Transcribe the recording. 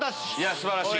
素晴らしい。